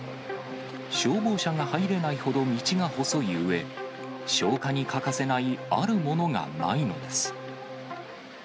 消防車が入れないほど道が細いうえ、消火に欠かせないあるものがないのです。